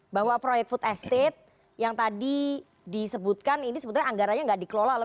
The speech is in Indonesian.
bahwa proyek food estate yang tadi disebutkan ini sebetulnya anggaranya nggak dikelola oleh